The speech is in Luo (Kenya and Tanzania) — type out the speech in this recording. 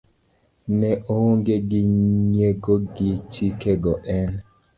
ne oonge gi nyiego gi chike go en